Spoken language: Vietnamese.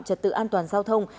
trật tự an toàn giao thông